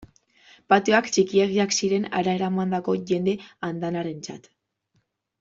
Patioak txikiegiak ziren hara eramandako jende andanarentzat.